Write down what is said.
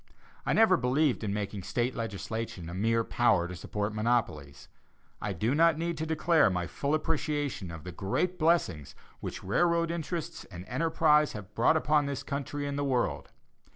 I never believed in making State legislation a mere power to support monopolies. I do not need to declare my full appreciation of the great blessings which railroad interests and enterprises have brought upon this country and the world.